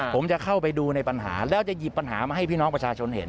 ผมจะเข้าไปดูในปัญหาแล้วจะหยิบปัญหามาให้พี่น้องประชาชนเห็น